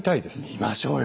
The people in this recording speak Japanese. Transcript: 見ましょうよ。